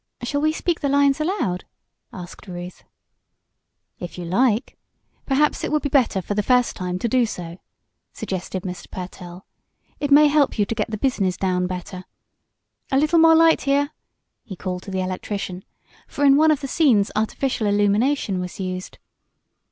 "Shall we speak the lines aloud?" asked Ruth. "If you like. Perhaps it will be better, for the first time, to do so," suggested Mr. Pertell. "It may help you to get the 'business' down better. A little more light here!" he called to the electrician, for in one of the scenes artificial illumination was used.